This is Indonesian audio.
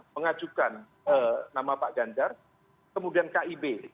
mengajukan nama pak ganjar kemudian kib